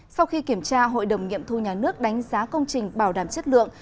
sau khi kiểm tra hội đồng nghiệm thu nhà nước đánh giá công trình bảo đảm chất lượng